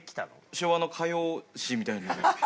「昭和の歌謡史」みたいな。